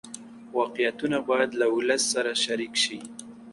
واقعیتونه باید له ولس سره شریک شي.